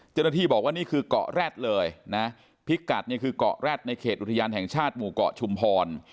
เจ้าหน้าที่บอกว่านี่คือเกาะแร็ดเลยนะพิกัดเนี่ยคือเกาะแร็ดในเขตอุทยานแห่งชาติหมู่เกาะชุมพร